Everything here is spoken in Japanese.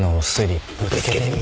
ぶつけてみ。